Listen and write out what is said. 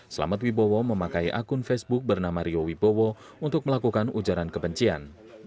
selamat wibowo memakai akun facebook bernama rio wibowo untuk melakukan ujaran kebencian